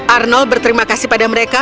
arnold berterima kasih pada mereka